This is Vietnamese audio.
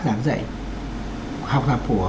giảng dạy học tập của